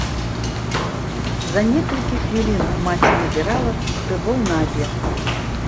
За некалькі хвілін маці набірала грыбоў на абед.